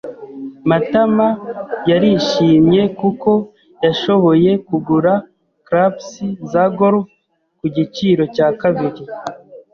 Matama yarishimye kuko yashoboye kugura clubs za golf ku giciro cya kabiri.